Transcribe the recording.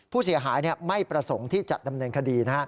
ผู้เสียหายไม่ประสงค์ที่จะดำเนินคดี